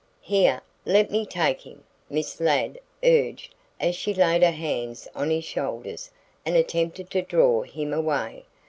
"Here, let me take him," Miss Ladd urged as she laid her hands on his shoulders and attempted to draw him away.